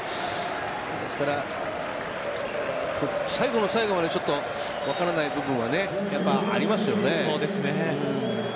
ですから最後の最後まで分からない部分はやっぱりありますよね。